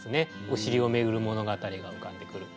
「おしり」をめぐる物語が浮かんでくる。